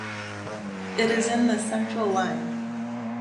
It is in the central line.